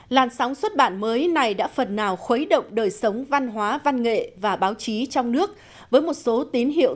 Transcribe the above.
làn sóng xuất bản mới này đã phần nào khuấy động đời sống văn hóa văn nghệ và báo chí trong nước với một số tín hiệu